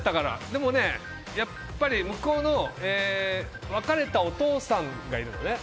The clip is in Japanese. でもやっぱり向こうの別れたお父さんがいるのね。